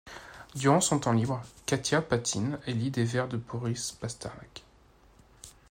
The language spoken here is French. Durant son temps libre, Katia patine et lit des vers de Boris Pasternak.